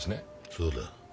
そうだ。